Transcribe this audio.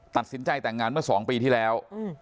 ตัดสินใจแต่งงานเมื่อ๒ปีที่แล้ว